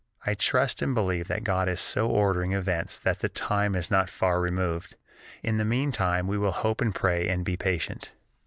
I trust and believe that God is so ordering events that the time is not far removed. In the meantime we will hope and pray and be patient.